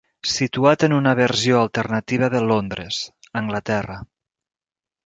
Situat en una versió alternativa de Londres, Anglaterra.